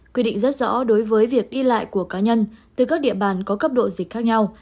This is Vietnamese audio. quy định rất rõ đối với việc đi lại của cá nhân từ các địa bàn có cấp độ dịch khác nhau